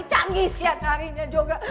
canggih siat narinya juga